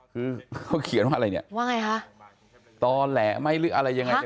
คือเขาเขียนว่าอะไรเนี่ยว่าไงคะต่อแหละไหมหรืออะไรยังไง